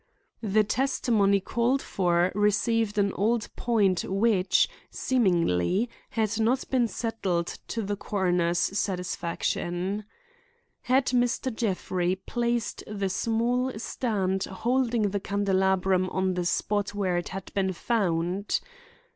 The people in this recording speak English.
The testimony called for revived an old point which, seemingly, had not been settled to the coroner's satisfaction. Had Mr. Jeffrey placed the small stand holding the candelabrum on the spot where it had been found?